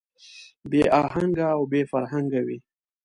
بې اهنګه او بې فرهنګه وي.